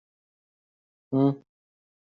两到三周后雏鸟就会破壳而出。